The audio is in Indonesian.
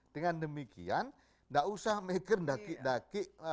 dengan demikian enggak usah megir lagi